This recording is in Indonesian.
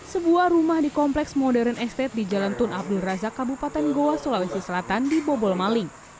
sebuah rumah di kompleks modern estate di jalan tun abdul razak kabupaten goa sulawesi selatan dibobol maling